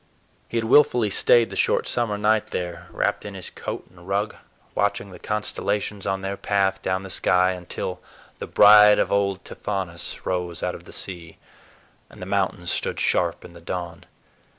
He had willfully stayed the short summer night there, wrapped in his coat and rug, watching the constellations on their path down the sky until "the bride of old Tithonus" rose out of the sea, and the mountains stood sharp in the dawn.